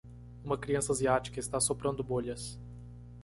Uma criança asiática está soprando bolhas